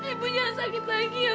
ibu jangan sakit lagi ya